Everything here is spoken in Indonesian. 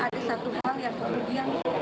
ada satu hal yang kemudian